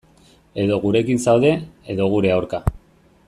Edo gurekin zaude, edo gure aurka.